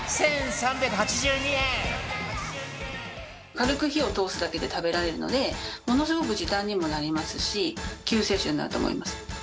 軽く火を通すだけで食べられるのでものすごく時短にもなりますし救世主になると思います。